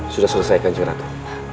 sudah selesai kanjeng ratu